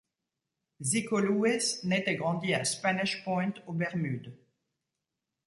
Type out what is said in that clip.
Ziko Lewis naît et grandit à Spanish Point aux Bermudes.